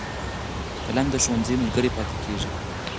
قلم د ښوونځي ملګری پاتې کېږي